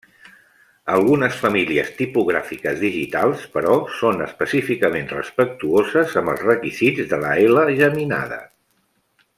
Algunes famílies tipogràfiques digitals, però, són específicament respectuoses amb els requisits de la ela geminada.